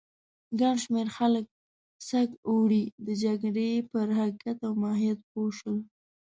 ګڼ شمېر خلک سږ اوړی د جګړې پر حقیقت او ماهیت پوه شول.